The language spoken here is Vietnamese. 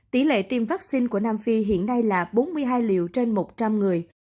tỷ lệ tiêm vaccine của nam phi hiện nay là bốn mươi hai liều trên một trăm linh người